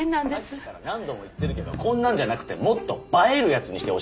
さっきから何度も言ってるけどこんなんじゃなくてもっと映えるやつにしてほしいんだって。